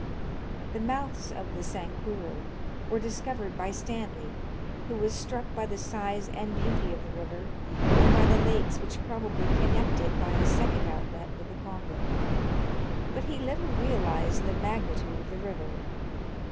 The mouths of the Sankuru were discovered by Stanley, who was struck by the size and beauty of the river, and by the lakes which probably connect it by a second outlet with the Kongo ; but he little realized the magnitude of the river.